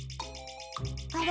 あれ？